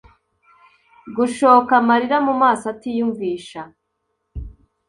gushoka amarira mumaso atiyumvisha